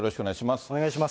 お願いします。